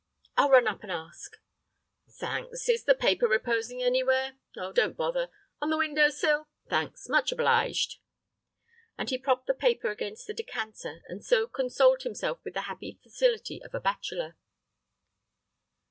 "I'll run up and ask." "Thanks. Is the paper reposing anywhere? Oh, don't bother. On the window sill? Thanks, much obliged." And he propped the paper against the decanter, and so consoled himself with the happy facility of a bachelor.